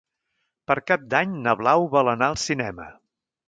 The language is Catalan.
Per Cap d'Any na Blau vol anar al cinema.